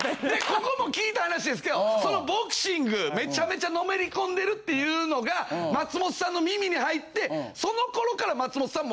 ここも聞いた話ですけどそのボクシングめちゃめちゃのめりこんでるっていうのが松本さんの耳に入って。